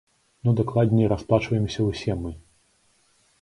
Ну, дакладней, расплачваемся ўсе мы.